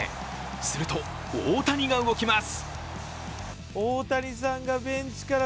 すると大谷が動きます。